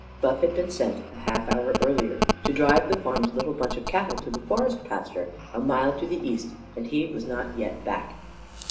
Buff had been sent, a half hour earlier, to drive the farm's little bunch of cattle to the "forest pasture," a mile to the east; and he was not yet back.